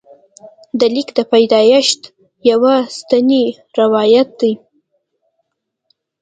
د لیک د پیدایښت یو سنتي روایت دی.